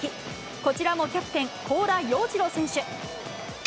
こちらもキャプテン、高良鷹二郎選手。